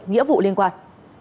nghĩa vụ liên quan